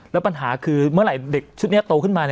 แล้วปัญหาคือเมื่อไหร่เด็กชุดนี้โตขึ้นมา